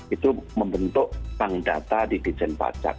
itu membentuk bank data di dijen pajak